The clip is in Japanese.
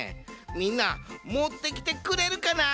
みんなもってきてくれるかな？